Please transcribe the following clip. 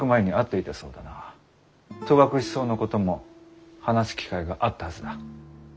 戸隠草のことも話す機会があったはずだ。